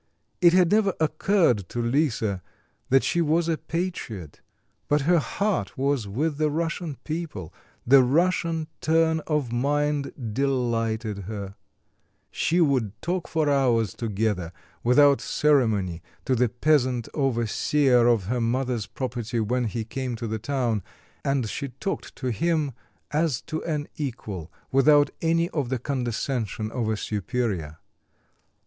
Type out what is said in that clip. It had never occurred to Lisa that she was a patriot; but her heart was with the Russian people; the Russian turn of mind delighted her; she would talk for hours together without ceremony to the peasant overseer of her mother's property when he came to the town, and she talked to him as to an equal, without any of the condescension of a superior.